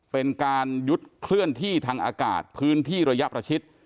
เป็นการยึดเคลื่อนที่ทางอากาศพื้นที่ระยะประชิด